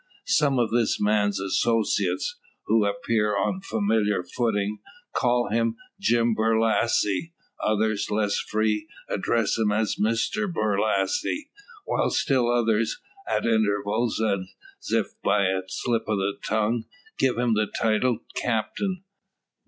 Some of this man's associates, who appear on familiar footing, called him "Jim Borlasse;" others, less free, address him as "Mister Borlasse;" while still others, at intervals, and as if by a slip of the tongue, give him the title "Captain."